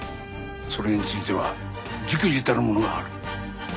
それについてはじくじたるものがある。